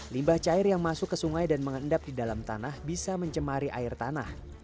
limbah cair yang masuk ke sungai dan mengendap di dalam tanah bisa mencemari air tanah